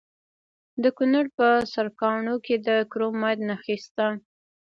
د کونړ په سرکاڼو کې د کرومایټ نښې شته.